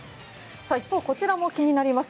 一方こちらも気になります。